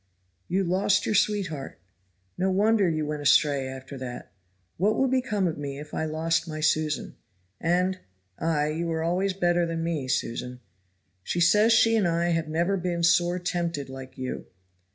"You lost your sweetheart; no wonder you went astray after that. What would become of me if I lost my Susan? And ay, you were always better than me, Susan. She says she and I have never been sore tempted like you."